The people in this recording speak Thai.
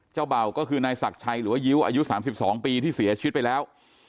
เบาก็คือนายศักดิ์ชัยหรือว่ายิ้วอายุ๓๒ปีที่เสียชีวิตไปแล้ว